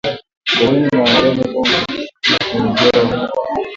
kaskazini mwa Uingereza kama profesa aliye kwenye ziara ya mda